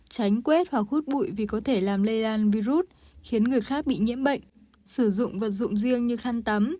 tránh quét hoặc hút bụi vì có thể làm lây lan virus khiến người khác bị nhiễm bệnh sử dụng vật dụng riêng như khăn tắm